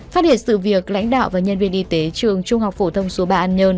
phát hiện sự việc lãnh đạo và nhân viên y tế trường trung học phổ thông số ba an nhơn